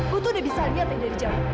gue tuh udah bisa lihat dari jauh